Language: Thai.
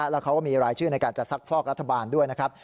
แล้วเขาก็มีรายชื่อในการจะซักฟอกรัฐบาลด้วยนะครับ